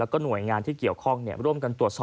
กรูภัยสวั่งนารา